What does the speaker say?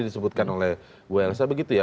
disebutkan oleh welsa begitu ya